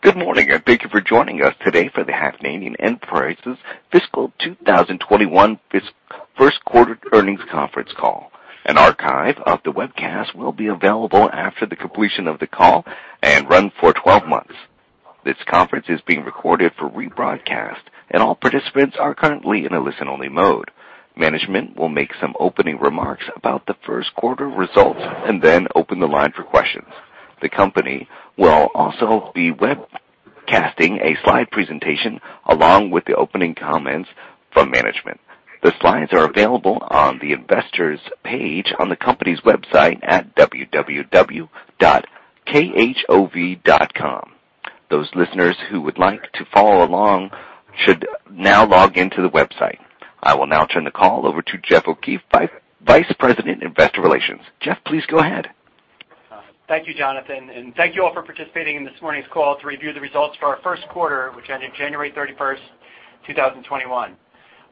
Good morning, and thank you for joining us today for the Hovnanian Enterprises Fiscal 2021 First Quarter Earnings Conference Call. An archive of the webcast will be available after the completion of the call and run for 12 months. This conference is being recorded for rebroadcast, and all participants are currently in a listen-only mode. Management will make some opening remarks about the first quarter results and then open the line for questions. The company will also be webcasting a slide presentation along with the opening comments from management. The slides are available on the investors page on the company's website at www.khov.com. Those listeners who would like to follow along should now log in to the website. I will now turn the call over to Jeff O'Keefe, Vice President, Investor Relations. Jeff, please go ahead. Thank you, Jonathan, and thank you all for participating in this morning's call to review the results for our first quarter, which ended January 31, 2021.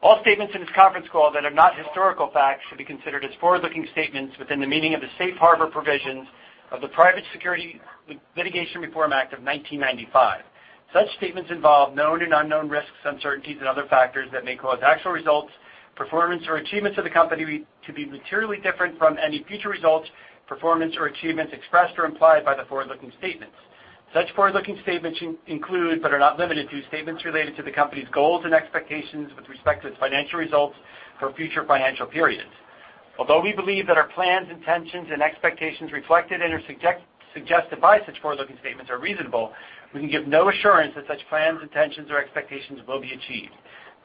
All statements in this conference call that are not historical facts should be considered as forward-looking statements within the meaning of the safe harbor provisions of the Private Securities Litigation Reform Act of 1995. Such statements involve known and unknown risks, uncertainties, and other factors that may cause actual results, performance, or achievements of the company to be materially different from any future results, performance, or achievements expressed or implied by the forward-looking statements. Such forward-looking statements include, but are not limited to, statements related to the company's goals and expectations with respect to its financial results for future financial periods. Although we believe that our plans, intentions, and expectations reflected and/or suggested by such forward-looking statements are reasonable, we can give no assurance that such plans, intentions, or expectations will be achieved.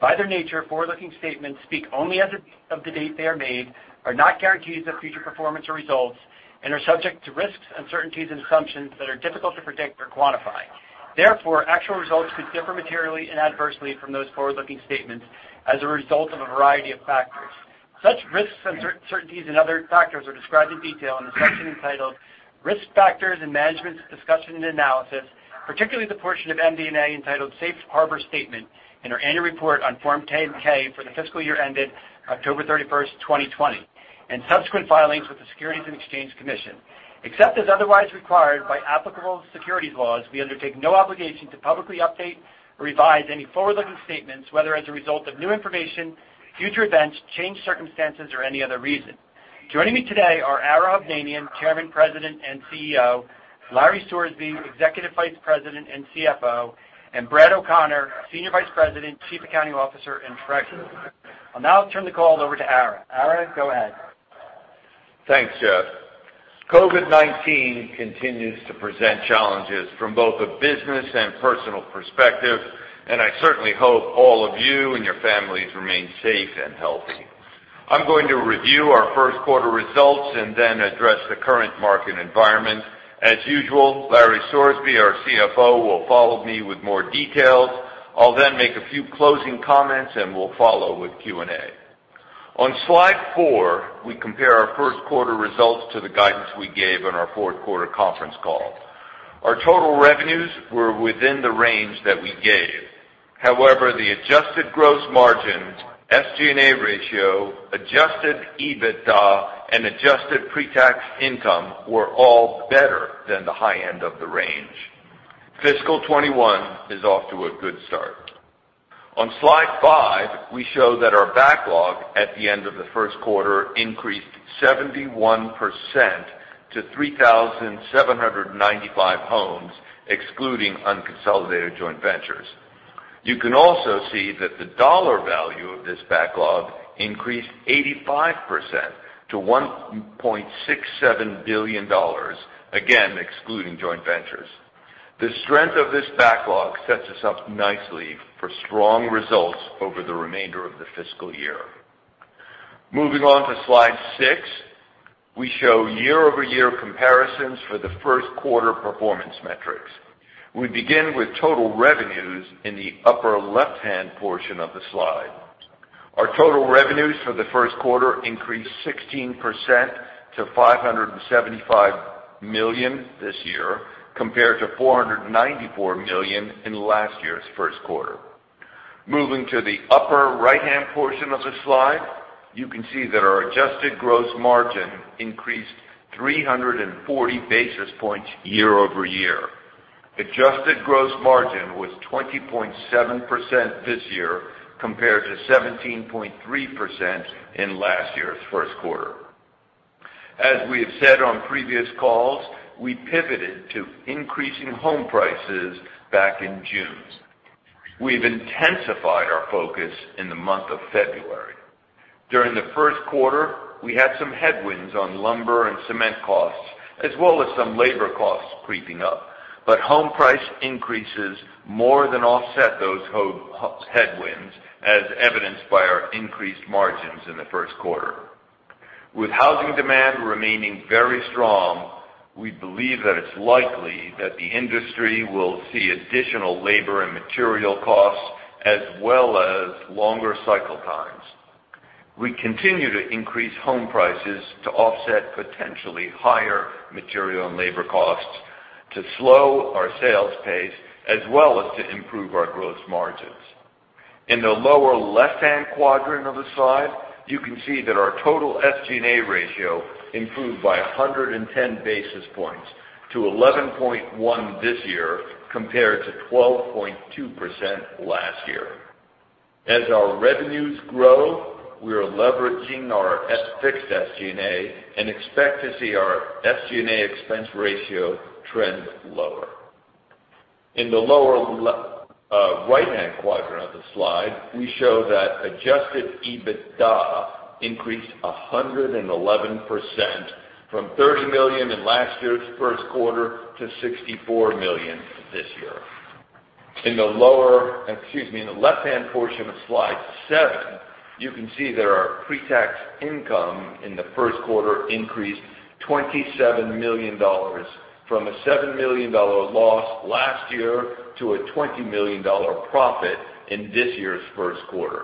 By their nature, forward-looking statements speak only as of the date they are made, are not guarantees of future performance or results, and are subject to risks, uncertainties, and assumptions that are difficult to predict or quantify. Therefore, actual results could differ materially and adversely from those forward-looking statements as a result of a variety of factors. Such risks, uncertainties, and other factors are described in detail in the section entitled "Risk Factors and Management's Discussion and Analysis," particularly the portion of MD&A entitled Safe Harbor Statement in our annual report on Form 10-K for the fiscal year ended October 31st, 2020, and subsequent filings with the Securities and Exchange Commission. Except as otherwise required by applicable securities laws, we undertake no obligation to publicly update or revise any forward-looking statements, whether as a result of new information, future events, changed circumstances, or any other reason. Joining me today are Ara Hovnanian, Chairman, President, and CEO, Larry Sorsby, Executive Vice President and CFO, and Brad O'Connor, Senior Vice President, Chief Accounting Officer, and Treasurer. I'll now turn the call over to Ara. Ara, go ahead. Thanks, Jeff. COVID-19 continues to present challenges from both a business and personal perspective, and I certainly hope all of you and your families remain safe and healthy. I'm going to review our first quarter results and then address the current market environment. As usual, Larry Sorsby, our CFO, will follow me with more details. I'll then make a few closing comments, and we'll follow with Q&A. On slide four, we compare our first quarter results to the guidance we gave on our fourth quarter conference call. Our total revenues were within the range that we gave. However, the adjusted gross margin, SG&A ratio, adjusted EBITDA, and adjusted pre-tax income were all better than the high end of the range. Fiscal 2021 is off to a good start. On slide five, we show that our backlog at the end of the first quarter increased 71% to 3,795 homes, excluding unconsolidated joint ventures. You can also see that the dollar value of this backlog increased 85% to $1.67 billion, again, excluding joint ventures. The strength of this backlog sets us up nicely for strong results over the remainder of the fiscal year. Moving on to slide six, we show year-over-year comparisons for the first quarter performance metrics. We begin with total revenues in the upper left-hand portion of the slide. Our total revenues for the first quarter increased 16% to $575 million this year, compared to $494 million in last year's first quarter. Moving to the upper right-hand portion of the slide, you can see that our adjusted gross margin increased 340 basis points year-over-year. Adjusted gross margin was 20.7% this year compared to 17.3% in last year's first quarter. As we have said on previous calls, we pivoted to increasing home prices back in June. We've intensified our focus in the month of February. During the first quarter, we had some headwinds on lumber and cement costs, as well as some labor costs creeping up, but home price increases more than offset those headwinds, as evidenced by our increased margins in the first quarter. With housing demand remaining very strong, we believe that it's likely that the industry will see additional labor and material costs as well as longer cycle times. We continue to increase home prices to offset potentially higher material and labor costs, to slow our sales pace, as well as to improve our gross margins. In the lower left-hand quadrant of the slide, you can see that our total SG&A ratio improved by 110 basis points to 11.1% this year, compared to 12.2% last year. As our revenues grow, we are leveraging our fixed SG&A and expect to see our SG&A expense ratio trend lower. In the lower right-hand quadrant of the slide, we show that adjusted EBITDA increased 111%, from $30 million in last year's first quarter to $64 million this year. In the left-hand portion of slide seven, you can see that our pre-tax income in the first quarter increased $27 million from a $7 million loss last year to a $20 million profit in this year's first quarter.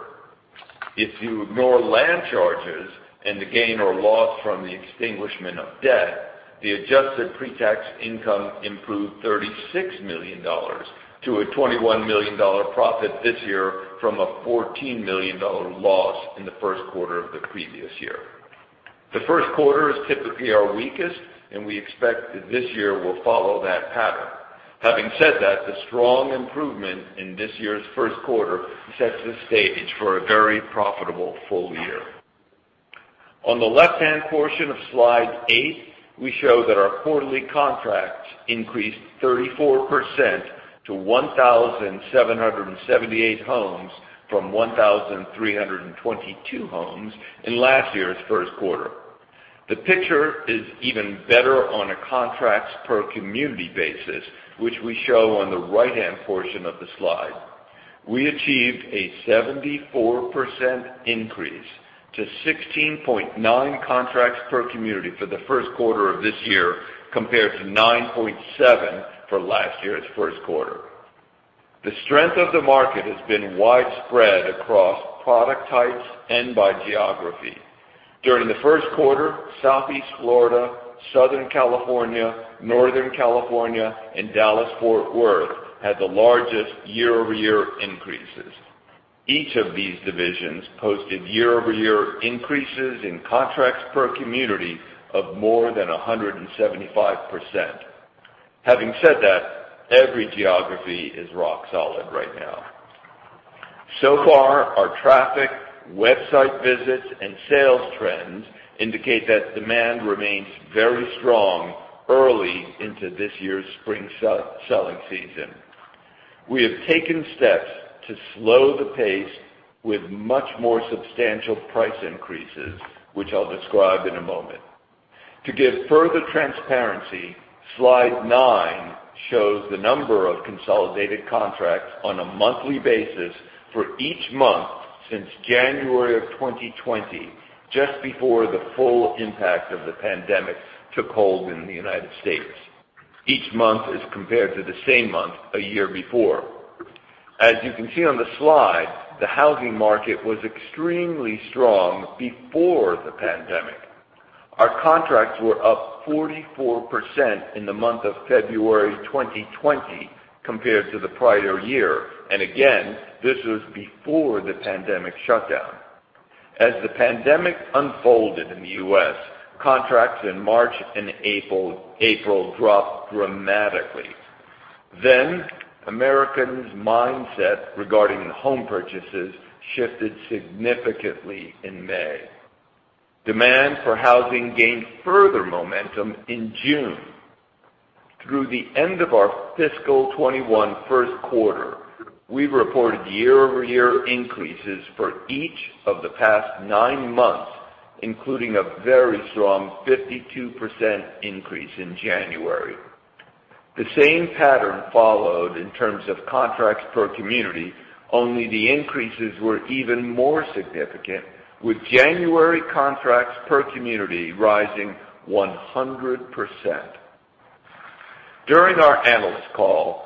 If you ignore land charges and the gain or loss from the extinguishment of debt, the adjusted pre-tax income improved $36 million to a $21 million profit this year from a $14 million loss in the first quarter of the previous year. The first quarter is typically our weakest, and we expect that this year will follow that pattern. Having said that, the strong improvement in this year's first quarter sets the stage for a very profitable full year. On the left-hand portion of slide eight, we show that our quarterly contracts increased 34% to 1,778 homes from 1,322 homes in last year's first quarter. The picture is even better on a contracts per community basis, which we show on the right-hand portion of the slide. We achieved a 74% increase to 16.9 contracts per community for the first quarter of this year, compared to 9.7 for last year's first quarter. The strength of the market has been widespread across product types and by geography. During the first quarter, Southeast Florida, Southern California, Northern California, and Dallas-Fort Worth had the largest year-over-year increases. Each of these divisions posted year-over-year increases in contracts per community of more than 175%. Having said that, every geography is rock solid right now. So far, our traffic, website visits, and sales trends indicate that demand remains very strong early into this year's spring selling season. We have taken steps to slow the pace with much more substantial price increases, which I'll describe in a moment. To give further transparency, slide nine shows the number of consolidated contracts on a monthly basis for each month since January of 2020, just before the full impact of the pandemic took hold in the U.S. Each month is compared to the same month a year before. As you can see on the slide, the housing market was extremely strong before the pandemic. Our contracts were up 44% in the month of February 2020 compared to the prior year. Again, this was before the pandemic shutdown. As the pandemic unfolded in the U.S., contracts in March and April dropped dramatically. Americans' mindset regarding home purchases shifted significantly in May. Demand for housing gained further momentum in June. Through the end of our fiscal 2021 first quarter, we've reported year-over-year increases for each of the past nine months, including a very strong 52% increase in January. The same pattern followed in terms of contracts per community, only the increases were even more significant, with January contracts per community rising 100%. During our analyst call,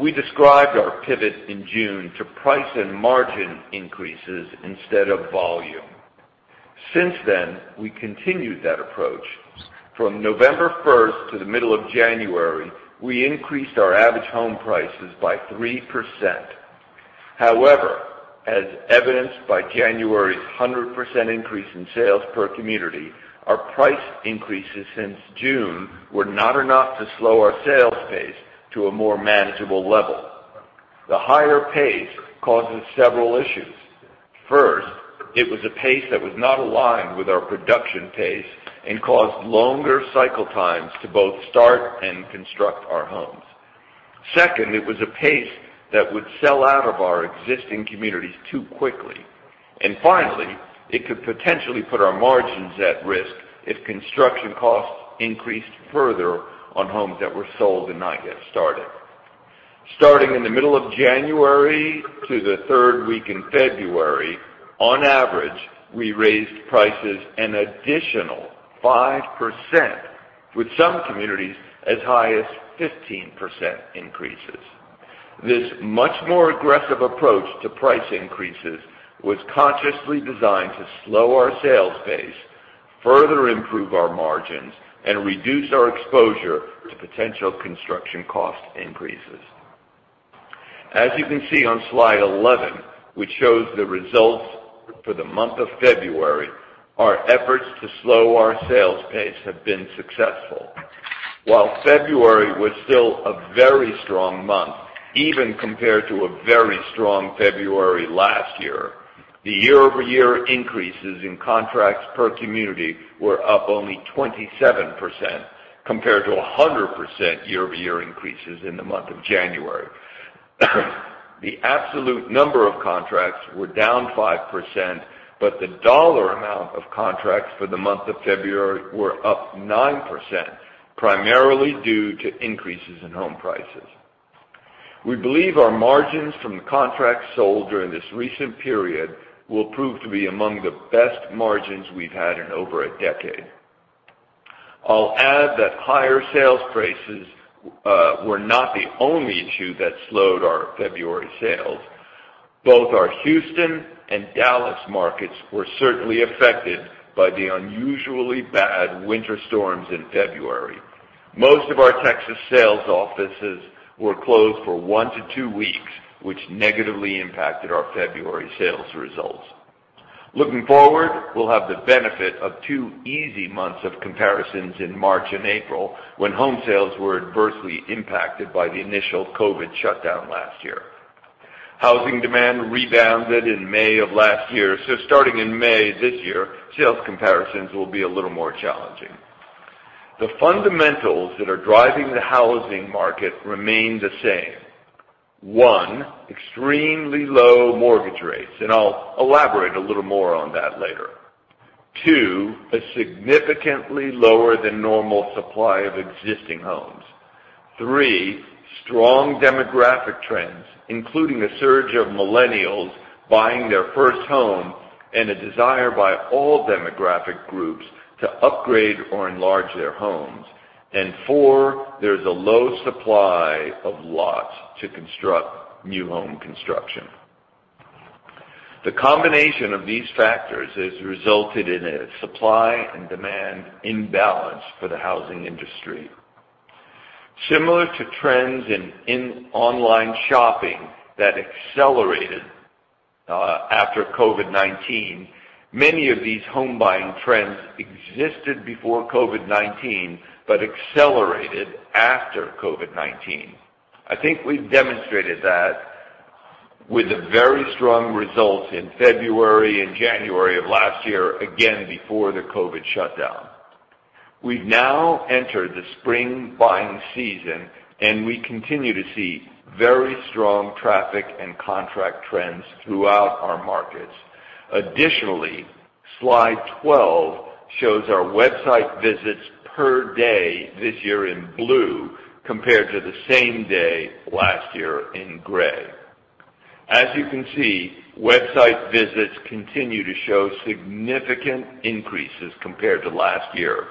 we described our pivot in June to price and margin increases instead of volume. Since then, we continued that approach. From November 1st to the middle of January, we increased our average home prices by 3%. However, as evidenced by January's 100% increase in sales per community, our price increases since June were not enough to slow our sales pace to a more manageable level. The higher pace causes several issues. First, it was a pace that was not aligned with our production pace and caused longer cycle times to both start and construct our homes. Second, it was a pace that would sell out of our existing communities too quickly. Finally, it could potentially put our margins at risk if construction costs increased further on homes that were sold and not yet started. Starting in the middle of January to the third week in February, on average, we raised prices an additional 5%, with some communities as high as 15% increases. This much more aggressive approach to price increases was consciously designed to slow our sales pace, further improve our margins and reduce our exposure to potential construction cost increases. As you can see on slide 11, which shows the results for the month of February, our efforts to slow our sales pace have been successful. While February was still a very strong month, even compared to a very strong February last year, the year-over-year increases in contracts per community were up only 27%, compared to 100% year-over-year increases in the month of January. The absolute number of contracts were down 5%, but the dollar amount of contracts for the month of February were up 9%, primarily due to increases in home prices. We believe our margins from the contracts sold during this recent period will prove to be among the best margins we've had in over a decade. I'll add that higher sales prices were not the only issue that slowed our February sales. Both our Houston and Dallas markets were certainly affected by the unusually bad winter storms in February. Most of our Texas sales offices were closed for one to two weeks, which negatively impacted our February sales results. Looking forward, we'll have the benefit of two easy months of comparisons in March and April, when home sales were adversely impacted by the initial COVID shutdown last year. Housing demand rebounded in May of last year. Starting in May this year, sales comparisons will be a little more challenging. The fundamentals that are driving the housing market remain the same. One, extremely low mortgage rates, and I'll elaborate a little more on that later. Two, a significantly lower than normal supply of existing homes. Three, strong demographic trends, including a surge of millennials buying their first home, and a desire by all demographic groups to upgrade or enlarge their homes. Four, there's a low supply of lots to construct new home construction. The combination of these factors has resulted in a supply and demand imbalance for the housing industry. Similar to trends in online shopping that accelerated after COVID-19, many of these home buying trends existed before COVID-19, but accelerated after COVID-19. I think we've demonstrated that with the very strong results in February and January of last year, again, before the COVID shutdown. We've now entered the spring buying season. We continue to see very strong traffic and contract trends throughout our markets. Additionally, slide 12 shows our website visits per day this year in blue, compared to the same day last year in gray. As you can see, website visits continue to show significant increases compared to last year.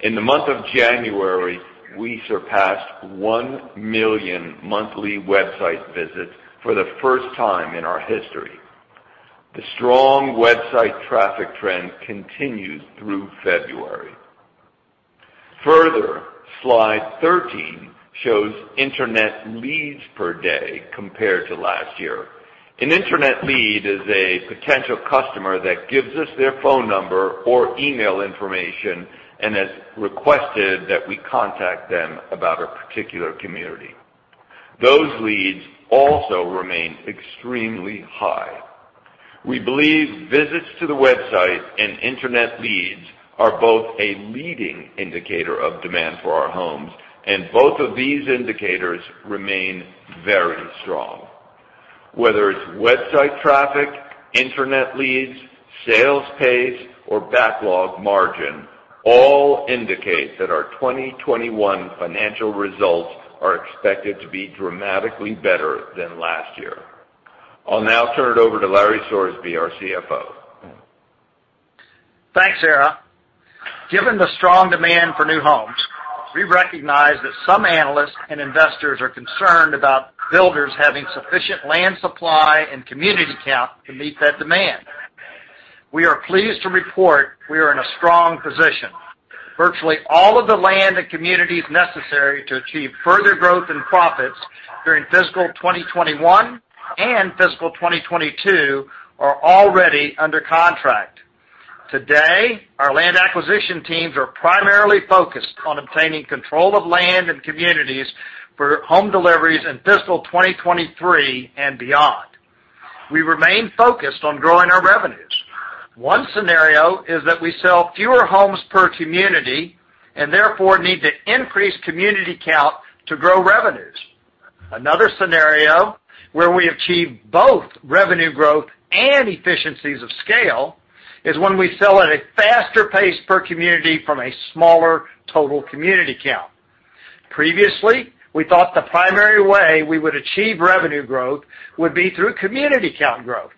In the month of January, we surpassed 1 million monthly website visits for the first time in our history. The strong website traffic trend continued through February. Slide 13 shows internet leads per day compared to last year. An internet lead is a potential customer that gives us their phone number or email information and has requested that we contact them about a particular community. Those leads also remain extremely high. We believe visits to the website and internet leads are both a leading indicator of demand for our homes, and both of these indicators remain very strong. Whether it's website traffic, internet leads, sales pace, or backlog margin, all indicate that our 2021 financial results are expected to be dramatically better than last year. I'll now turn it over to Larry Sorsby, our CFO. Thanks, Ara. Given the strong demand for new homes, we recognize that some analysts and investors are concerned about builders having sufficient land supply and community count to meet that demand. We are pleased to report we are in a strong position. Virtually all of the land and communities necessary to achieve further growth and profits during fiscal 2021 and fiscal 2022 are already under contract. Today, our land acquisition teams are primarily focused on obtaining control of land and communities for home deliveries in fiscal 2023 and beyond. We remain focused on growing our revenues. One scenario is that we sell fewer homes per community, and therefore need to increase community count to grow revenues. Another scenario where we achieve both revenue growth and efficiencies of scale is when we sell at a faster pace per community from a smaller total community count. Previously, we thought the primary way we would achieve revenue growth would be through community count growth.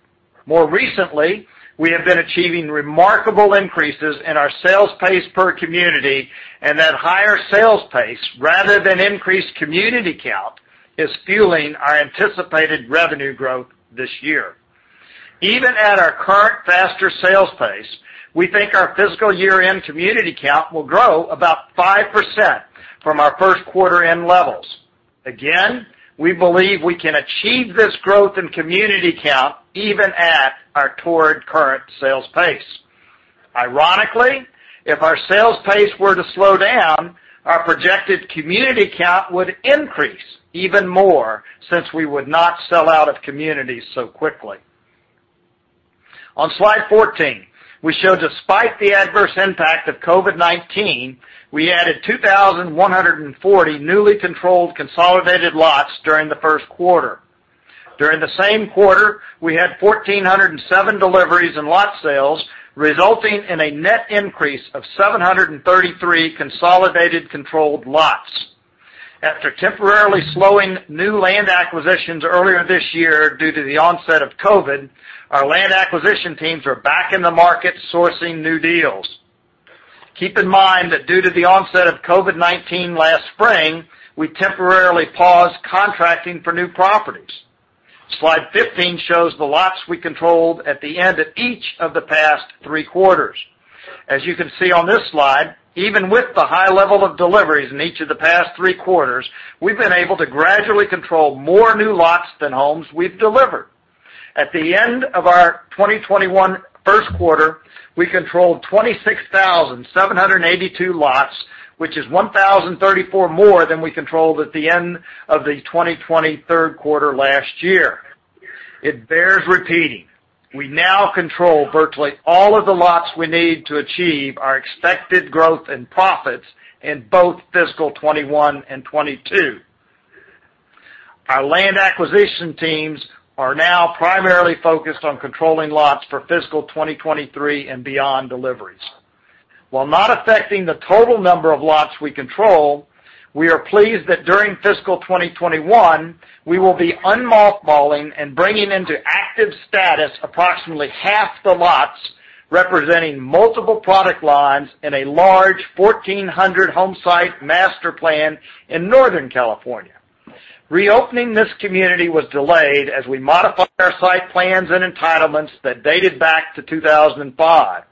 More recently, we have been achieving remarkable increases in our sales pace per community, and that higher sales pace, rather than increased community count, is fueling our anticipated revenue growth this year. Even at our current faster sales pace, we think our fiscal year-end community count will grow about 5% from our first quarter-end levels. Again, we believe we can achieve this growth in community count even at our toward current sales pace. Ironically, if our sales pace were to slow down, our projected community count would increase even more since we would not sell out of communities so quickly. On slide 14, we show despite the adverse impact of COVID-19, we added 2,140 newly controlled consolidated lots during the first quarter. During the same quarter, we had 1,407 deliveries in lot sales, resulting in a net increase of 733 consolidated controlled lots. After temporarily slowing new land acquisitions earlier this year due to the onset of COVID, our land acquisition teams are back in the market sourcing new deals. Keep in mind that due to the onset of COVID-19 last spring, we temporarily paused contracting for new properties. Slide 15 shows the lots we controlled at the end of each of the past three quarters. As you can see on this slide, even with the high level of deliveries in each of the past three quarters, we've been able to gradually control more new lots than homes we've delivered. At the end of our 2021 first quarter, we controlled 26,782 lots, which is 1,034 more than we controlled at the end of the 2020 third quarter last year. It bears repeating, we now control virtually all of the lots we need to achieve our expected growth and profits in both fiscal 2021 and 2022. Our land acquisition teams are now primarily focused on controlling lots for fiscal 2023 and beyond deliveries. While not affecting the total number of lots we control, we are pleased that during fiscal 2021, we will be unmothballing and bringing into active status approximately half the lots, representing multiple product lines in a large 1,400 home site master plan in Northern California. Reopening this community was delayed as we modified our site plans and entitlements that dated back to 2005.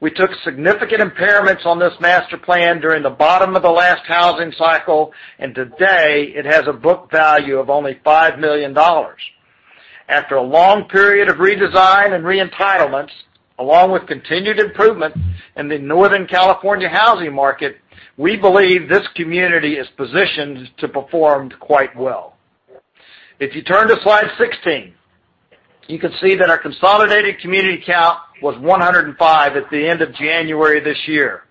We took significant impairments on this master plan during the bottom of the last housing cycle. Today, it has a book value of only $5 million. After a long period of redesign and re-entitlements, along with continued improvement in the Northern California housing market, we believe this community is positioned to perform quite well. If you turn to slide 16, you can see that our consolidated community count was 105 at the end of January this year.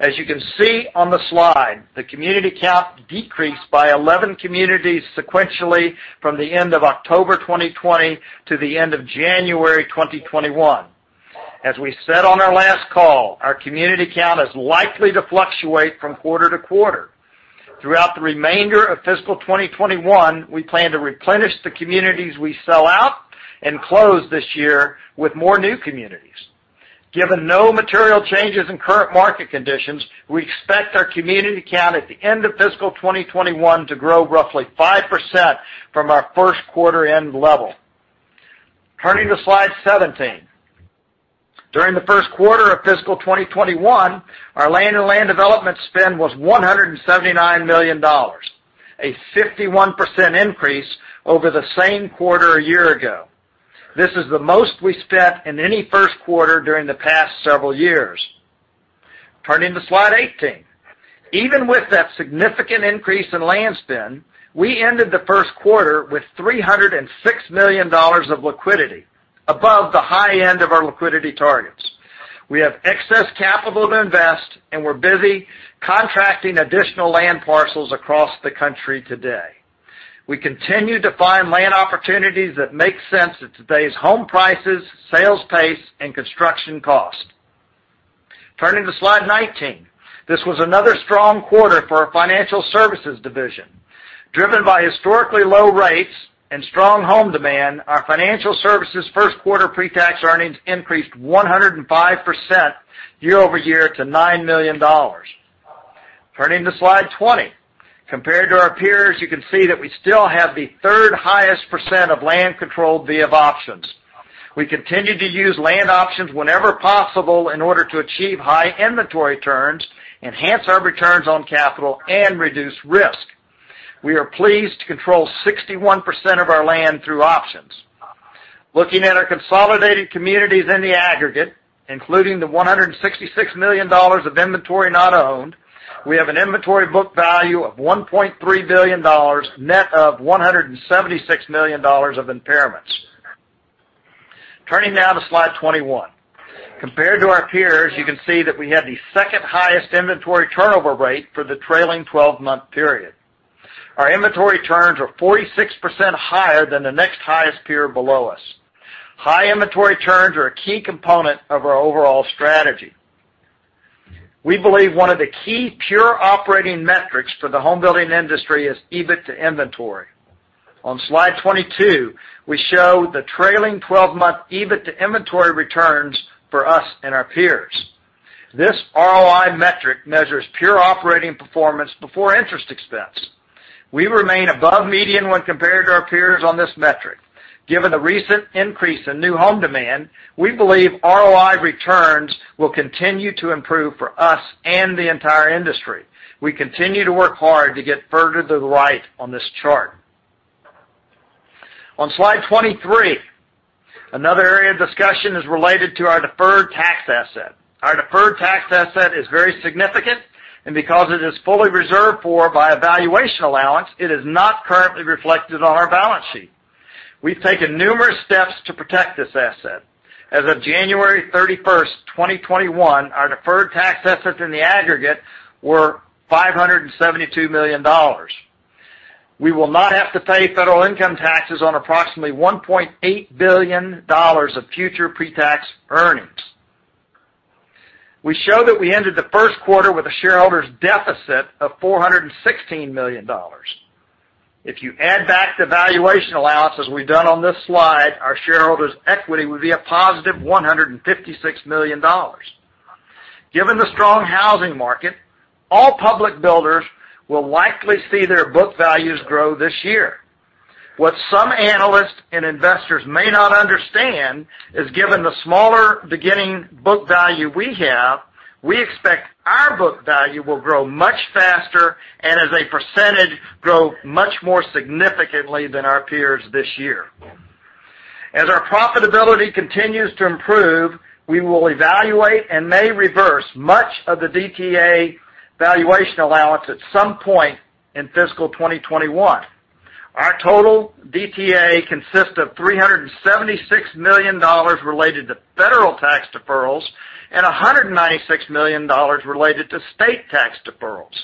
As you can see on the slide, the community count decreased by 11 communities sequentially from the end of October 2020 to the end of January 2021. As we said on our last call, our community count is likely to fluctuate from quarter to quarter. Throughout the remainder of fiscal 2021, we plan to replenish the communities we sell out and close this year with more new communities. Given no material changes in current market conditions, we expect our community count at the end of fiscal 2021 to grow roughly 5% from our first quarter end level. Turning to slide 17. During the first quarter of fiscal 2021, our land and land development spend was $179 million, a 51% increase over the same quarter a year ago. This is the most we spent in any first quarter during the past several years. Turning to slide 18. Even with that significant increase in land spend, we ended the first quarter with $306 million of liquidity, above the high end of our liquidity targets. We have excess capital to invest, and we're busy contracting additional land parcels across the country today. We continue to find land opportunities that make sense at today's home prices, sales pace, and construction cost. Turning to slide 19. This was another strong quarter for our financial services division. Driven by historically low rates and strong home demand, our financial services first quarter pre-tax earnings increased 105% year-over-year to $9 million. Turning to slide 20. Compared to our peers, you can see that we still have the third highest percent of land controlled via options. We continue to use land options whenever possible in order to achieve high inventory turns, enhance our returns on capital, and reduce risk. We are pleased to control 61% of our land through options. Looking at our consolidated communities in the aggregate, including the $166 million of inventory not owned, we have an inventory book value of $1.3 billion, net of $176 million of impairments. Turning now to slide 21. Compared to our peers, you can see that we have the second highest inventory turnover rate for the trailing 12-month period. Our inventory turns are 46% higher than the next highest peer below us. High inventory turns are a key component of our overall strategy. We believe one of the key pure operating metrics for the home building industry is EBIT to inventory. On Slide 22, we show the trailing 12-month EBIT to inventory returns for us and our peers. This ROI metric measures pure operating performance before interest expense. We remain above median when compared to our peers on this metric. Given the recent increase in new home demand, we believe ROI returns will continue to improve for us and the entire industry. We continue to work hard to get further to the right on this chart. On Slide 23, another area of discussion is related to our deferred tax asset. Our deferred tax asset is very significant, and because it is fully reserved for by a valuation allowance, it is not currently reflected on our balance sheet. We've taken numerous steps to protect this asset. As of January 31st, 2021, our deferred tax assets in the aggregate were $572 million. We will not have to pay federal income taxes on approximately $1.8 billion of future pre-tax earnings. We show that we ended the first quarter with a shareholder's deficit of $416 million. If you add back the valuation allowance as we've done on this slide, our shareholders' equity would be a +$156 million. Given the strong housing market, all public builders will likely see their book values grow this year. What some analysts and investors may not understand is given the smaller beginning book value we have, we expect our book value will grow much faster, and as a percentage, grow much more significantly than our peers this year. As our profitability continues to improve, we will evaluate and may reverse much of the DTA valuation allowance at some point in fiscal 2021. Our total DTA consists of $376 million related to federal tax deferrals and $196 million related to state tax deferrals.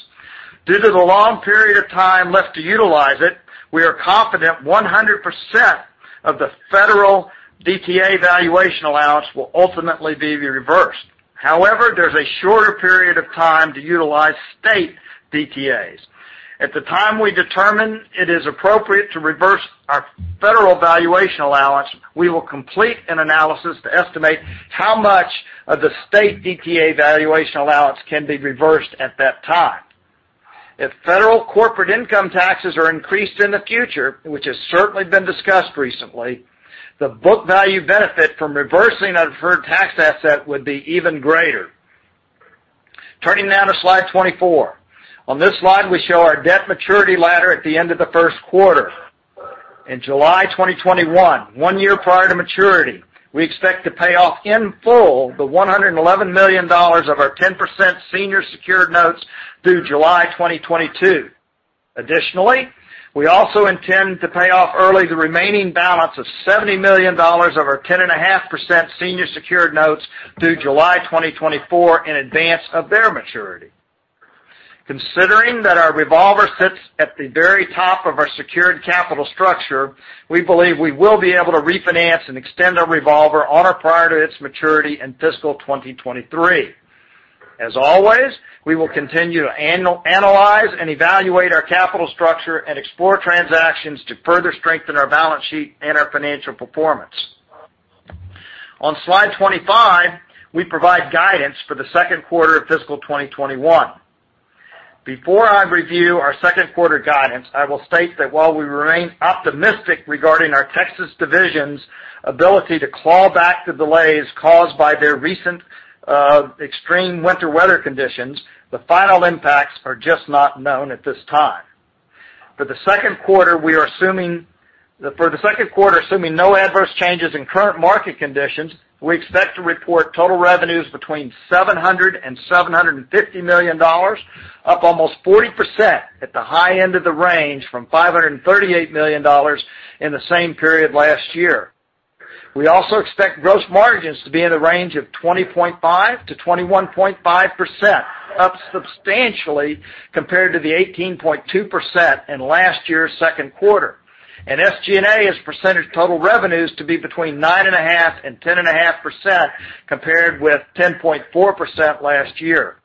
Due to the long period of time left to utilize it, we are confident 100% of the federal DTA valuation allowance will ultimately be reversed. However, there's a shorter period of time to utilize state DTAs. At the time we determine it is appropriate to reverse our federal valuation allowance, we will complete an analysis to estimate how much of the state DTA valuation allowance can be reversed at that time. If federal corporate income taxes are increased in the future, which has certainly been discussed recently, the book value benefit from reversing a deferred tax asset would be even greater. Turning now to Slide 24. On this slide, we show our debt maturity ladder at the end of the first quarter. In July 2021, one year prior to maturity, we expect to pay off in full the $111 million of our 10% senior secured notes due July 2022. Additionally, we also intend to pay off early the remaining balance of $70 million of our 10.5% senior secured notes due July 2024 in advance of their maturity. Considering that our revolver sits at the very top of our secured capital structure, we believe we will be able to refinance and extend our revolver on or prior to its maturity in fiscal 2023. As always, we will continue to analyze and evaluate our capital structure and explore transactions to further strengthen our balance sheet and our financial performance. On Slide 25, we provide guidance for the second quarter of fiscal 2021. Before I review our second quarter guidance, I will state that while we remain optimistic regarding our Texas division's ability to claw back the delays caused by their recent, extreme winter weather conditions, the final impacts are just not known at this time. For the second quarter, assuming no adverse changes in current market conditions, we expect to report total revenues between $700 million and $750 million, up almost 40% at the high end of the range from $538 million in the same period last year. We also expect gross margins to be in the range of 20.5%-21.5%, up substantially compared to the 18.2% in last year's second quarter. SG&A as a percentage of total revenues to be between 9.5% and 10.5%, compared with 10.4% last year.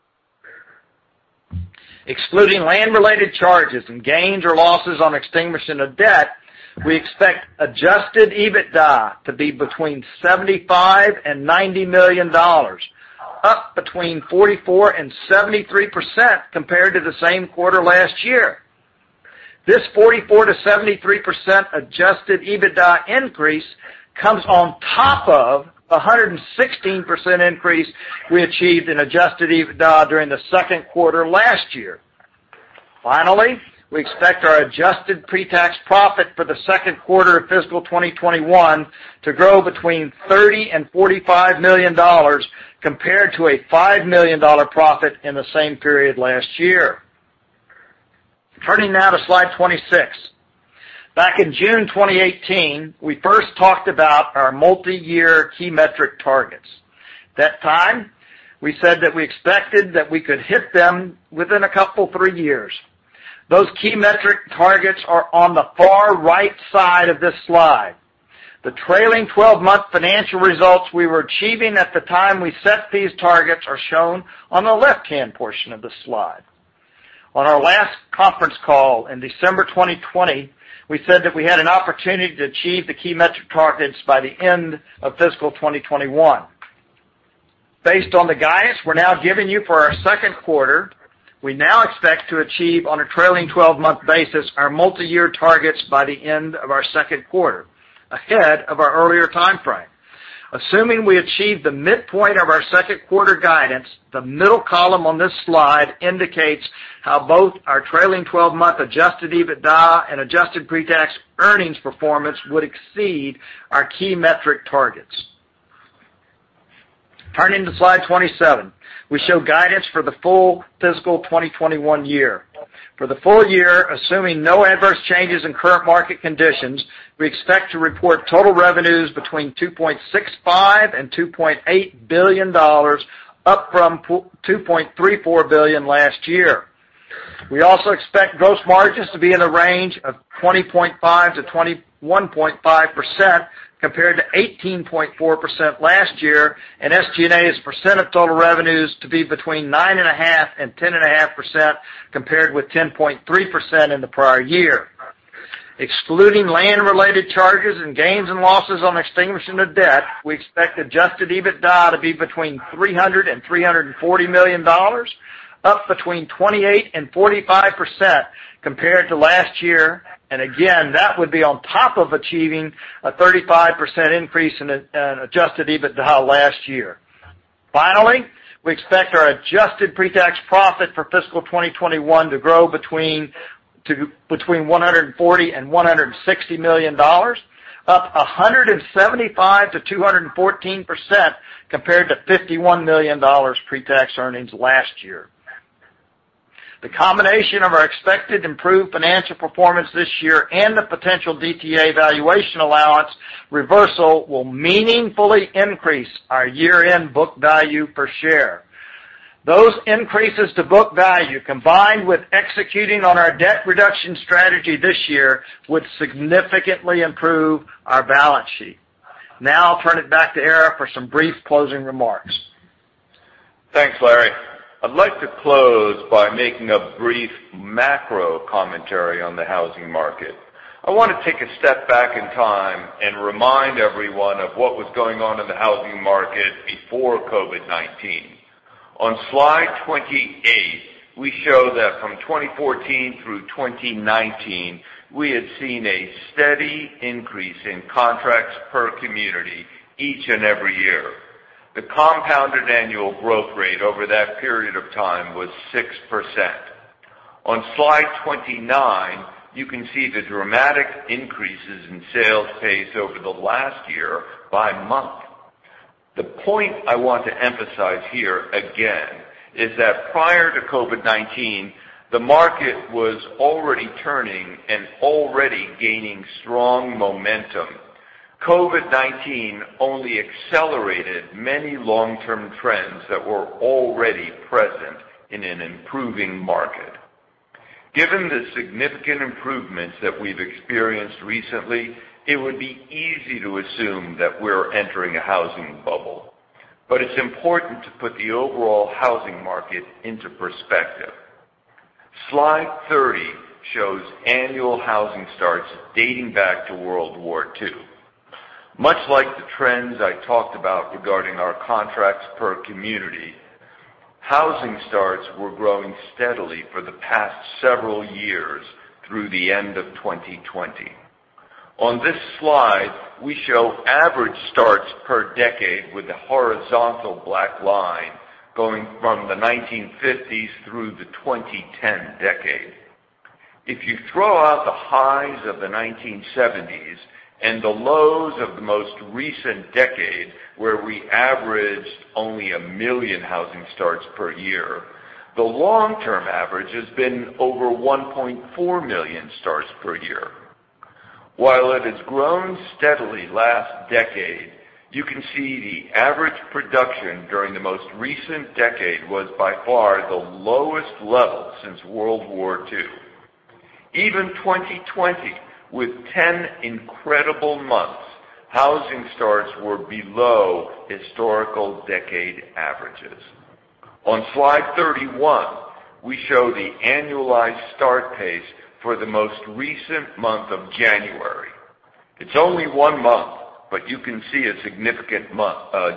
Excluding land-related charges and gains or losses on extinguishment of debt, we expect adjusted EBITDA to be between $75 million and $90 million, up between 44% and 73% compared to the same quarter last year. This 44%-73% adjusted EBITDA increase comes on top of 116% increase we achieved in adjusted EBITDA during the second quarter last year. Finally, we expect our adjusted pre-tax profit for the second quarter of fiscal 2021 to grow between $30 million and $45 million compared to a $5 million profit in the same period last year. Turning now to Slide 26. Back in June 2018, we first talked about our multiyear key metric targets. That time, we said that we expected that we could hit them within a couple, three years. Those key metric targets are on the far right side of this slide. The trailing 12-month financial results we were achieving at the time we set these targets are shown on the left-hand portion of the slide. On our last conference call in December 2020, we said that we had an opportunity to achieve the key metric targets by the end of fiscal 2021. Based on the guidance we're now giving you for our second quarter, we now expect to achieve on a trailing 12-month basis our multi-year targets by the end of our second quarter, ahead of our earlier timeframe. Assuming we achieve the midpoint of our second quarter guidance, the middle column on this slide indicates how both our trailing 12-month adjusted EBITDA and adjusted pre-tax earnings performance would exceed our key metric targets. Turning to slide 27, we show guidance for the full fiscal 2021 year. For the full year, assuming no adverse changes in current market conditions, we expect to report total revenues between $2.65 billion and $2.8 billion, up from $2.34 billion last year. We also expect gross margins to be in a range of 20.5%-21.5%, compared to 18.4% last year, and SG&A as a percent of total revenues to be between 9.5% and 10.5%, compared with 10.3% in the prior year. Excluding land-related charges and gains and losses on extinguishment of debt, we expect adjusted EBITDA to be between $300 million and $340 million, up between 28% and 45% compared to last year. Again, that would be on top of achieving a 35% increase in adjusted EBITDA last year. Finally, we expect our adjusted pre-tax profit for fiscal 2021 to grow between $140 million and $160 million, up 175%-214% compared to $51 million pre-tax earnings last year. The combination of our expected improved financial performance this year and the potential DTA valuation allowance reversal will meaningfully increase our year-end book value per share. Those increases to book value, combined with executing on our debt reduction strategy this year, would significantly improve our balance sheet. I'll turn it back to Ara for some brief closing remarks. Thanks, Larry. I'd like to close by making a brief macro commentary on the housing market. I want to take a step back in time and remind everyone of what was going on in the housing market before COVID-19. On slide 28, we show that from 2014 through 2019, we had seen a steady increase in contracts per community each and every year. The compounded annual growth rate over that period of time was 6%. On slide 29, you can see the dramatic increases in sales pace over the last year by month. The point I want to emphasize here again is that prior to COVID-19, the market was already turning and already gaining strong momentum. COVID-19 only accelerated many long-term trends that were already present in an improving market. Given the significant improvements that we've experienced recently, it would be easy to assume that we're entering a housing bubble, it's important to put the overall housing market into perspective. Slide 30 shows annual housing starts dating back to World War II. Much like the trends I talked about regarding our contracts per community, housing starts were growing steadily for the past several years through the end of 2020. On this slide, we show average starts per decade with the horizontal black line going from the 1950s through the 2010 decade. If you throw out the highs of the 1970s and the lows of the most recent decade, where we averaged only 1 million housing starts per year, the long-term average has been over 1.4 million starts per year. While it has grown steadily last decade, you can see the average production during the most recent decade was by far the lowest level since World War II. 2020, with 10 incredible months, housing starts were below historical decade averages. On Slide 31, we show the annualized start pace for the most recent month of January. It's only one month, but you can see a significant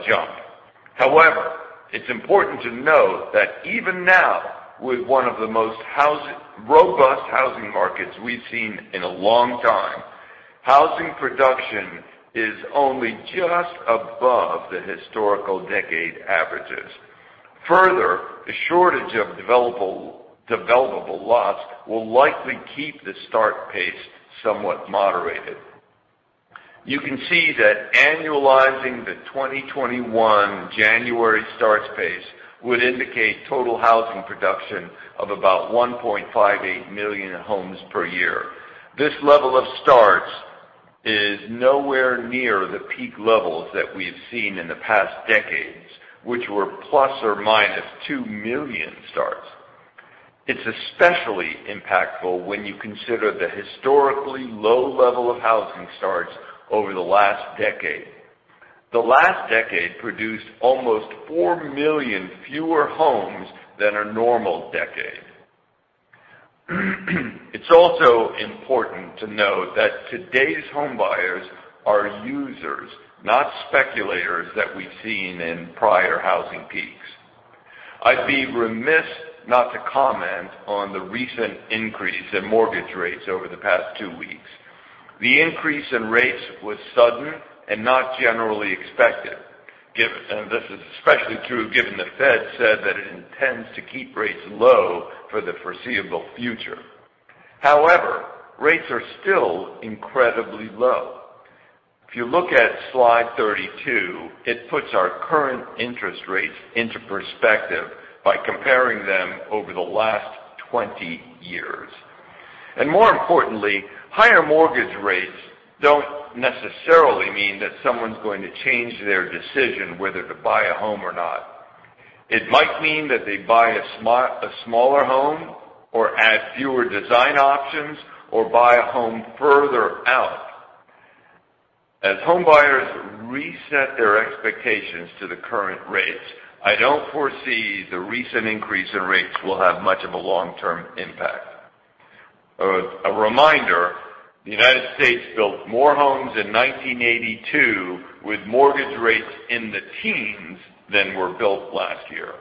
jump. It's important to note that even now, with one of the most robust housing markets we've seen in a long time, housing production is only just above the historical decade averages. The shortage of developable lots will likely keep the start pace somewhat moderated. You can see that annualizing the 2021 January starts pace would indicate total housing production of about 1.58 million homes per year. This level of starts is nowhere near the peak levels that we've seen in the past decades, which were ±2 million starts. It's especially impactful when you consider the historically low level of housing starts over the last decade. The last decade produced almost 4 million fewer homes than a normal decade. It's also important to note that today's home buyers are users, not speculators that we've seen in prior housing peaks. I'd be remiss not to comment on the recent increase in mortgage rates over the past two weeks. The increase in rates was sudden and not generally expected. This is especially true given the Fed said that it intends to keep rates low for the foreseeable future. However, rates are still incredibly low. If you look at slide 32, it puts our current interest rates into perspective by comparing them over the last 20 years. More importantly, higher mortgage rates don't necessarily mean that someone's going to change their decision whether to buy a home or not. It might mean that they buy a smaller home or add fewer design options or buy a home further out. As home buyers reset their expectations to the current rates, I don't foresee the recent increase in rates will have much of a long-term impact. A reminder, the United States built more homes in 1982 with mortgage rates in the teens than were built last year.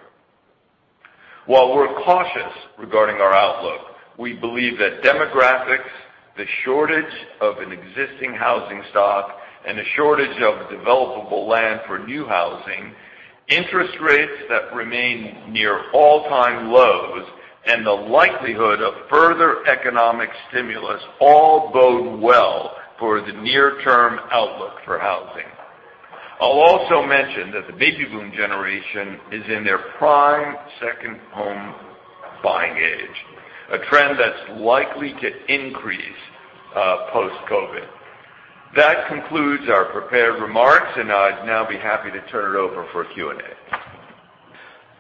While we're cautious regarding our outlook, we believe that demographics, the shortage of an existing housing stock, and a shortage of developable land for new housing, interest rates that remain near all-time lows, and the likelihood of further economic stimulus all bode well for the near-term outlook for housing. I'll also mention that the baby boom generation is in their prime second home-buying age, a trend that's likely to increase post-COVID. That concludes our prepared remarks, and I'd now be happy to turn it over for Q&A.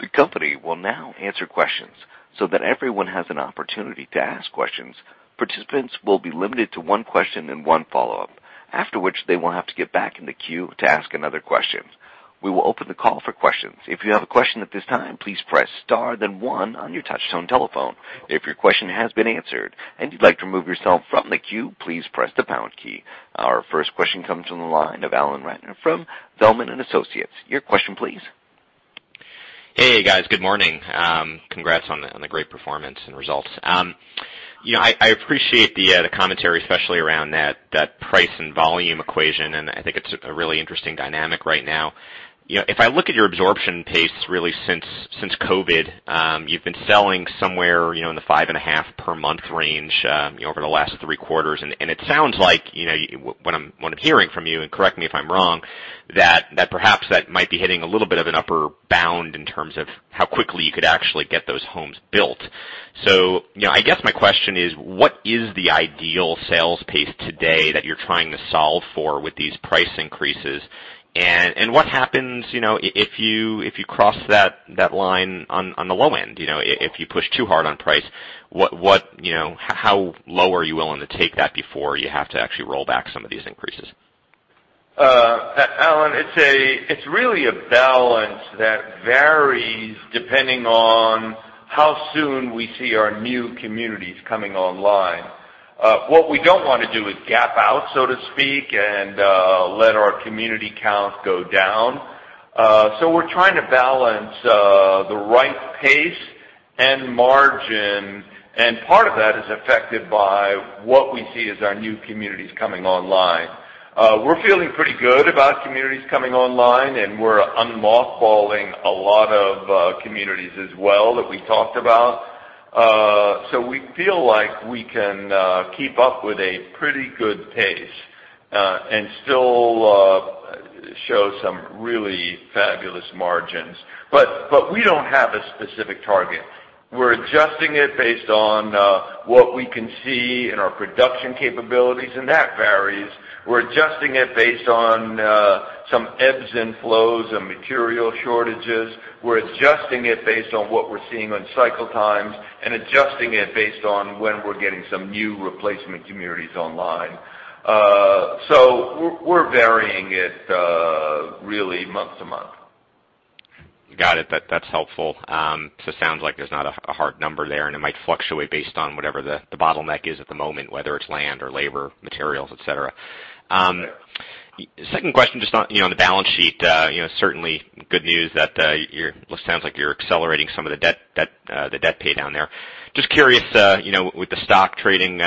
The company will now answer questions. That everyone has an opportunity to ask questions, participants will be limited to one question and one follow-up, after which they will have to get back in the queue to ask another question. We will open the call for questions. If you have a question at this time, please press star then one on your touch tone telephone. If your question has been answered and you'd like to remove yourself from the queue, please press the pound key. Our first question comes from the line of Alan Ratner from Zelman & Associates. Your question, please. Hey, guys. Good morning. Congrats on the great performance and results. I appreciate the commentary, especially around that price and volume equation. I think it's a really interesting dynamic right now. If I look at your absorption pace really since COVID, you've been selling somewhere in the five and a half per month range over the last three quarters. It sounds like, what I'm hearing from you, and correct me if I'm wrong, that perhaps that might be hitting a little bit of an upper bound in terms of how quickly you could actually get those homes built. I guess my question is, what is the ideal sales pace today that you're trying to solve for with these price increases? What happens if you cross that line on the low end, if you push too hard on price? How low are you willing to take that before you have to actually roll back some of these increases? Alan, it's really a balance that varies depending on how soon we see our new communities coming online. What we don't want to do is gap out, so to speak, and let our community count go down. We're trying to balance the right pace and margin, and part of that is affected by what we see as our new communities coming online. We're feeling pretty good about communities coming online, and we're un-mothballing a lot of communities as well that we talked about. We feel like we can keep up with a pretty good pace and still show some really fabulous margins. We don't have a specific target. We're adjusting it based on what we can see in our production capabilities, and that varies. We're adjusting it based on some ebbs and flows of material shortages. We're adjusting it based on what we're seeing on cycle times and adjusting it based on when we're getting some new replacement communities online. We're varying it really month-to-month. Got it. That's helpful. It sounds like there's not a hard number there, and it might fluctuate based on whatever the bottleneck is at the moment, whether it's land or labor, materials, et cetera. Right. Second question, just on the balance sheet. Certainly good news that it sounds like you're accelerating some of the debt pay down there. Just curious, with the stock trading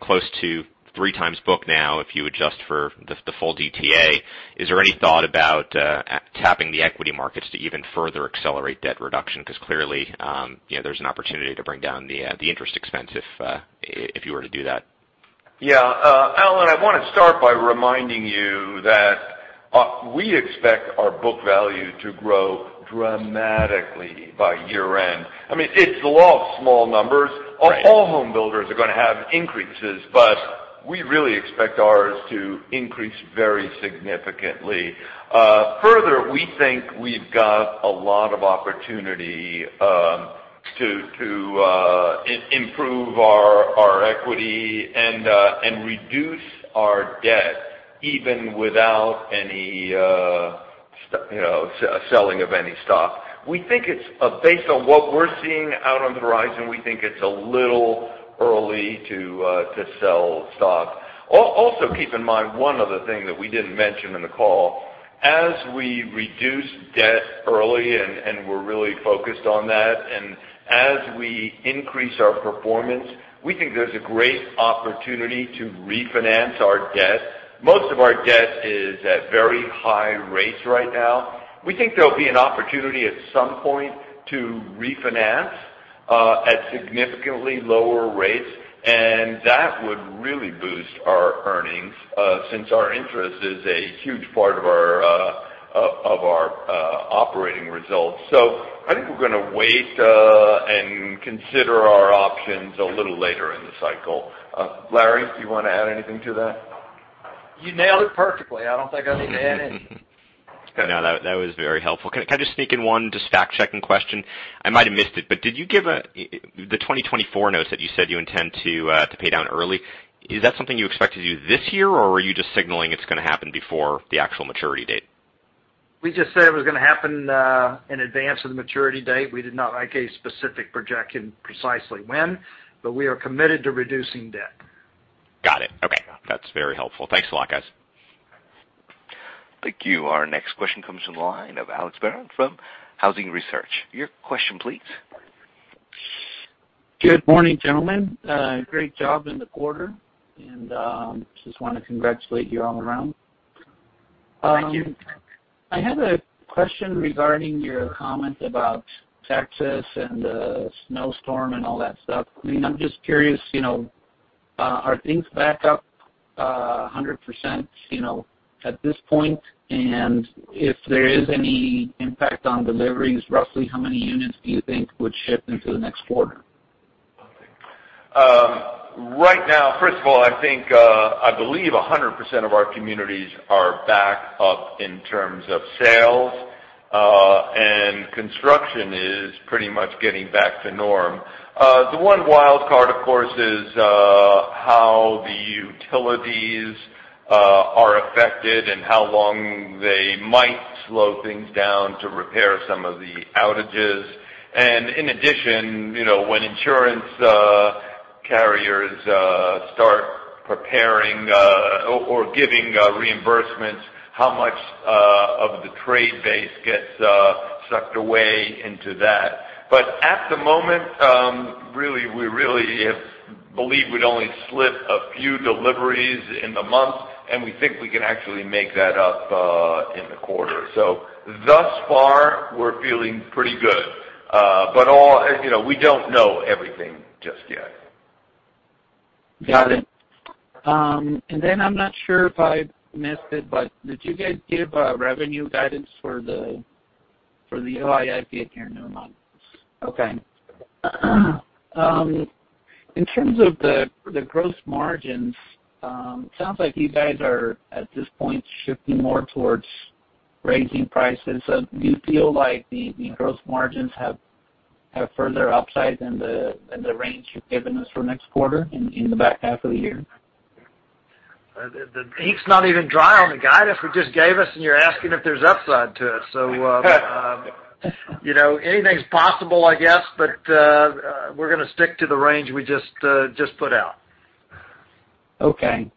close to 3x book now, if you adjust for the full DTA, is there any thought about tapping the equity markets to even further accelerate debt reduction? Clearly there's an opportunity to bring down the interest expense if you were to do that. Yeah. Alan, I want to start by reminding you that we expect our book value to grow dramatically by year-end. It's the law of small numbers. Right. All home builders are going to have increases, but we really expect ours to increase very significantly. Further, we think we've got a lot of opportunity to improve our equity and reduce our debt even without any selling of any stock. Based on what we're seeing out on the horizon, we think it's a little early to sell stock. Also, keep in mind one other thing that we didn't mention in the call, as we reduce debt early, and we're really focused on that, and as we increase our performance, we think there's a great opportunity to refinance our debt. Most of our debt is at very high rates right now. We think there'll be an opportunity at some point to refinance at significantly lower rates, and that would really boost our earnings since our interest is a huge part of our operating results. I think we're going to wait and consider our options a little later in the cycle. Larry, do you want to add anything to that? You nailed it perfectly. I don't think I need to add anything. No, that was very helpful. Can I just sneak in one just fact-checking question? I might have missed it, but the 2024 notes that you said you intend to pay down early, is that something you expect to do this year, or are you just signaling it's going to happen before the actual maturity date? We just said it was going to happen in advance of the maturity date. We did not make a specific projection precisely when, but we are committed to reducing debt. Got it. Okay. That's very helpful. Thanks a lot, guys. Thank you. Our next question comes from the line of Alex Barron from Housing Research. Your question, please. Good morning, gentlemen. Great job in the quarter. Just want to congratulate you all around. Thank you. I had a question regarding your comment about Texas and the snowstorm and all that stuff. I'm just curious, are things back up 100% at this point? If there is any impact on deliveries, roughly how many units do you think would ship into the next quarter? Right now, first of all, I think, I believe 100% of our communities are back up in terms of sales. Construction is pretty much getting back to norm. The one wild card, of course, is how the utilities are affected and how long they might slow things down to repair some of the outages. In addition, when insurance carriers start preparing or giving reimbursements, how much of the trade base gets sucked away into that. At the moment, we really believe we'd only slip a few deliveries in the month, and we think we can actually make that up in the quarter. Thus far, we're feeling pretty good. We don't know everything just yet. Got it. Then I'm not sure if I missed it, but did you guys give a revenue guidance for the FULL-YEAR yet here? No. Okay. In terms of the gross margins, it sounds like you guys are, at this point, shifting more towards raising prices. Do you feel like the gross margins have further upside than the range you've given us for next quarter in the back half of the year? The ink's not even dry on the guidance we just gave us, and you're asking if there's upside to it. Anything's possible, I guess, but we're going to stick to the range we just put out. Okay.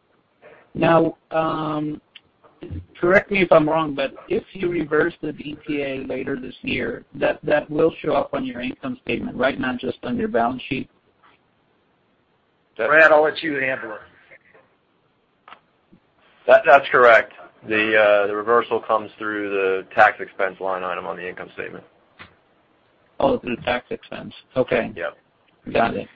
Correct me if I'm wrong, but if you reverse the DTA later this year, that will show up on your income statement, right, not just on your balance sheet? Brad, I'll let you handle it. That's correct. The reversal comes through the tax expense line item on the income statement. Oh, through the tax expense. Okay. Yep. Got it.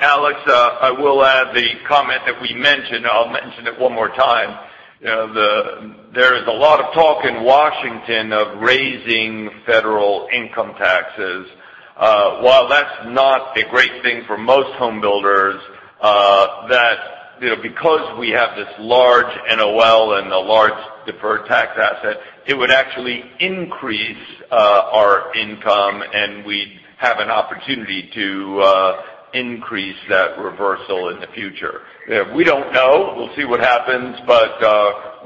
Alex, I will add the comment that we mentioned. I'll mention it one more time. There is a lot of talk in Washington of raising federal income taxes. While that's not a great thing for most home builders, because we have this large NOL and a large deferred tax asset, it would actually increase our income, and we'd have an opportunity to increase that reversal in the future. We don't know. We'll see what happens.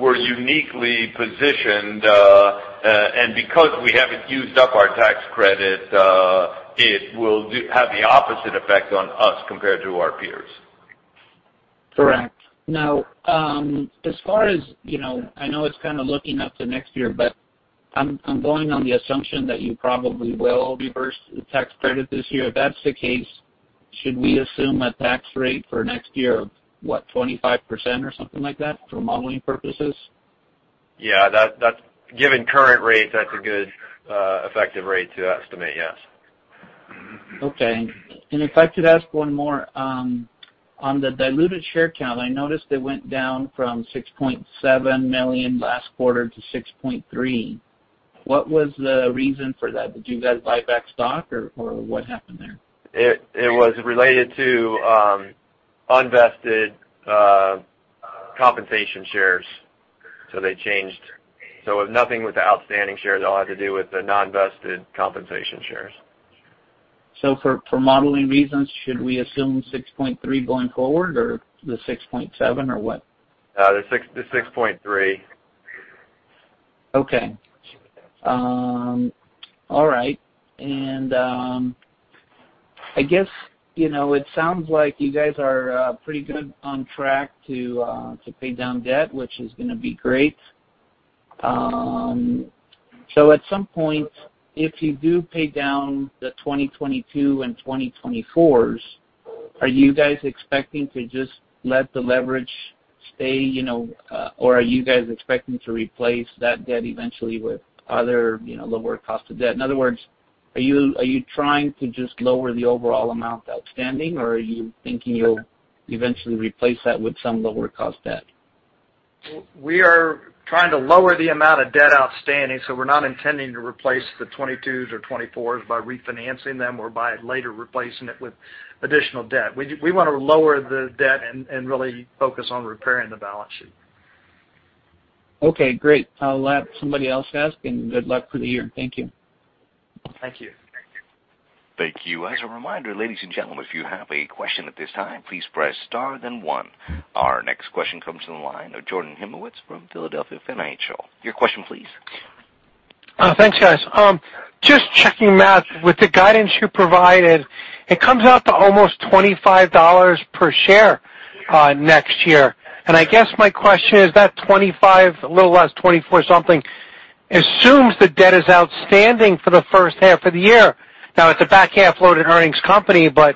We're uniquely positioned. Because we haven't used up our tax credit, it will have the opposite effect on us compared to our peers. Correct. I know it's kind of looking up to next year, but I'm going on the assumption that you probably will reverse the tax credit this year. If that's the case, should we assume a tax rate for next year of what, 25% or something like that for modeling purposes? Yeah. Given current rates, that's a good effective rate to estimate. Yes. Okay. If I could ask one more. On the diluted share count, I noticed it went down from 6.7 million last quarter to 6.3. What was the reason for that? Did you guys buy back stock, or what happened there? It was related to unvested compensation shares. They changed. Nothing with the outstanding shares. It all had to do with the non-vested compensation shares. For modeling reasons, should we assume 6.3 going forward or the 6.7 or what? The 6.3. Okay. All right. I guess, it sounds like you guys are pretty good on track to pay down debt, which is going to be great. At some point, if you do pay down the 2022 and 2024s, are you guys expecting to just let the leverage stay, or are you guys expecting to replace that debt eventually with other lower cost of debt? In other words, are you trying to just lower the overall amount outstanding, or are you thinking you'll eventually replace that with some lower cost debt? We are trying to lower the amount of debt outstanding, so we're not intending to replace the 2022s or 2024s by refinancing them or by later replacing it with additional debt. We want to lower the debt and really focus on repairing the balance sheet. Okay, great. I'll let somebody else ask, and good luck for the year. Thank you. Thank you. Thank you. As a reminder, ladies and gentlemen, if you have a question at this time, please press star then one. Our next question comes from the line of Jordan Hymowitz from Philadelphia Financial. Your question please. Thanks, guys. Just checking math. With the guidance you provided, it comes out to almost $25 per share next year. I guess my question is that $25, a little less, $24 something assumes the debt is outstanding for the first half of the year. Now it's a back half loaded earnings company, the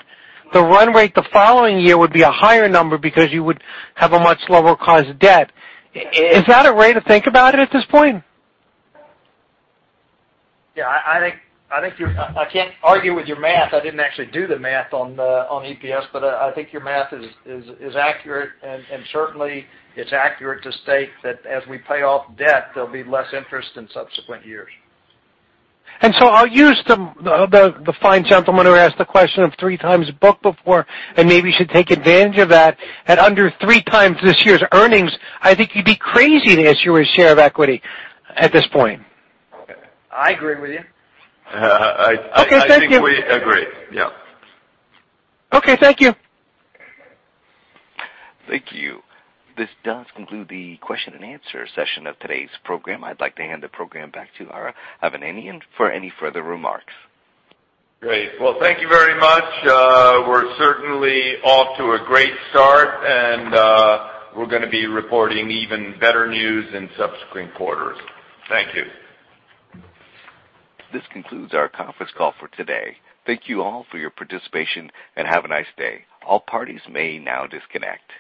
run rate the following year would be a higher number because you would have a much lower cost of debt. Is that a way to think about it at this point? Yeah, I can't argue with your math. I didn't actually do the math on EPS, but I think your math is accurate. Certainly, it's accurate to state that as we pay off debt, there'll be less interest in subsequent years. I'll use the fine gentleman who asked the question of 3x book before, and maybe you should take advantage of that. At under three times this year's earnings, I think you'd be crazy to issue a share of equity at this point. I agree with you. I think we agree. Okay, thank you. Yeah. Okay, thank you. Thank you. This does conclude the question and answer session of today's program. I'd like to hand the program back to Ara Hovnanian for any further remarks. Great. Well, thank you very much. We're certainly off to a great start, and we're going to be reporting even better news in subsequent quarters. Thank you. This concludes our conference call for today. Thank you all for your participation, and have a nice day. All parties may now disconnect.